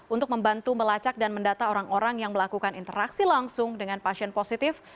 untuk membantu melacak dan mendata orang orang yang melakukan interaksi langsung dengan pasien positif